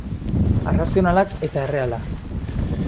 Arrazionalak eta erreala